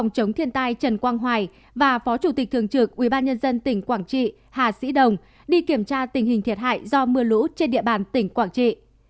chủ tịch thường trực ubnd tỉnh quảng trị hà sĩ đồng đi kiểm tra tình hình thiệt hại do mưa lũ trên địa bàn tỉnh quảng trị